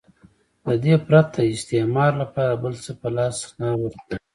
له دې پرته استعمار لپاره بل څه په لاس نه ورتلل.